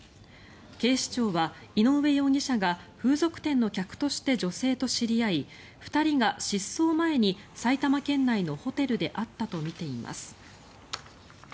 警視庁は井上容疑者が風俗店の客として女性と知り合い２人が失踪前に埼玉県内のホテルで会ったとみています。